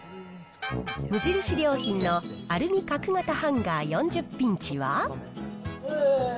無印良品のアルミ角型ハンガー４０ピンチは。